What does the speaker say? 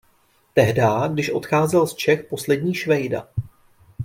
Tehdá, když odcházel z Čech poslední Švejda.